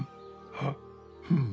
あっうん。